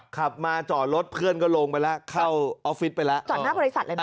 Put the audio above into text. ขับมาจอรถเพื่อนก็ลงไปแล้วเข้าออฟฟิศไปแล้ว